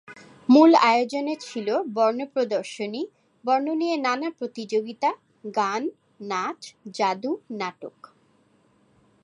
মূল আয়োজনে ছিল বর্ণ প্রদর্শনী, বর্ণ নিয়ে নানা প্রতিযোগিতা, গান, নাচ, জাদু, নাটক।